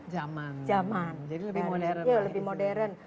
zaman jadi lebih modern